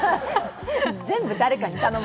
全部に誰かに頼む。